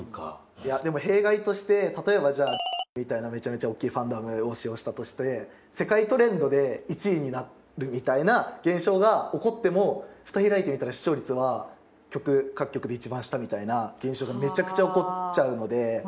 いやでも弊害として例えばじゃあみたいなめちゃめちゃ大きいファンダムを使用したとして世界トレンドで１位になるみたいな現象が起こっても蓋開いてみたら視聴率は各局で一番下みたいな現象がめちゃくちゃ起こっちゃうので。